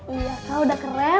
iya sudah keren